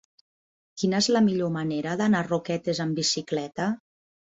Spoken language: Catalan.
Quina és la millor manera d'anar a Roquetes amb bicicleta?